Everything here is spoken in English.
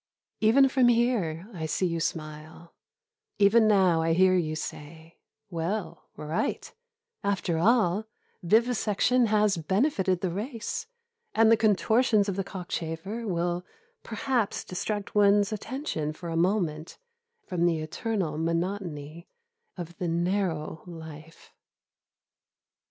Even from here I see you smile; even now I hear you say, "Well, write after all vivisection has benefited the race, and the contortions of the cockchafer will perhaps distract one's attention for a moment from the eternal monotony of the narrow life."